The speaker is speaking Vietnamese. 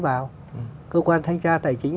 vào cơ quan thanh tra tài chính